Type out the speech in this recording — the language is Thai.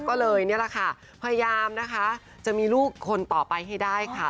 ก็เลยนี่แหละค่ะพยายามนะคะจะมีลูกคนต่อไปให้ได้ค่ะ